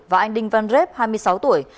và anh đinh văn rếp hai mươi sáu tuổi